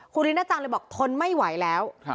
คุณลิน่าจังเลยบอกทนไม่ไหวแล้ว